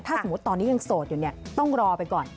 ถ้าสมมุติตอนนี้ยังโสดอยู่เนี่ยต้องรอไปก่อน